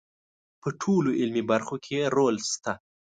په ټولو علمي برخو کې یې رول شته.